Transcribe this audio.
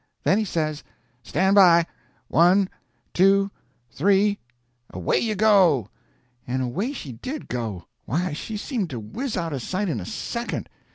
Then he says: "Stand by! One—two—three—away you go!" And away she did go! Why, she seemed to whiz out of sight in a second.